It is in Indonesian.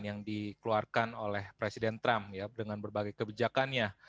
yang dikeluarkan oleh presiden trump dengan berbagai kebijakannya